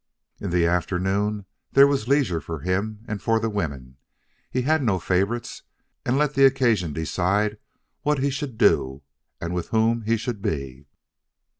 In the afternoons there was leisure for him and for the women. He had no favorites, and let the occasion decide what he should do and with whom he should be.